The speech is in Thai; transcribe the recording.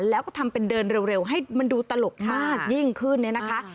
แล้วก็ทำเป็นเดินเร็วให้มันดูตลกมากยิ่งขึ้นเนี่ยนะคะ